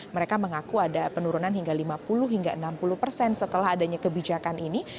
mereka mengaku ada penurunan hingga lima puluh hingga enam puluh persen setelah adanya kebijakan ini